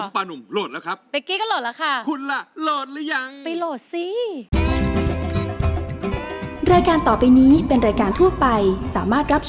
หนุ่มโหลดแล้วครับ